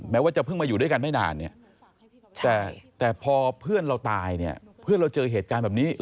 ว่าจะเพิ่งมาอยู่ด้วยกันไม่นานเนี่ยแต่พอเพื่อนเราตายเนี่ยเพื่อนเราเจอเหตุการณ์แบบนี้